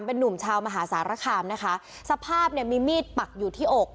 เป็นนุ่มชาวมหาสารคามนะคะสภาพเนี่ยมีมีดปักอยู่ที่อก